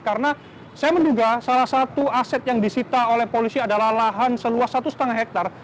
karena saya menduga salah satu aset yang disita oleh polisi adalah lahan seluas satu lima hektare